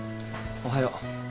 おはよう。